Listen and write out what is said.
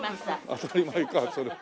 当たり前かそれは。